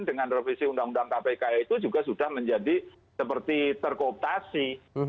dengan revisi undang undang kpk itu juga sudah menjadi seperti terkooptasi